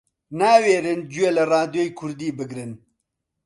ناوێرن گوێ لە ڕادیۆی کوردی بگرن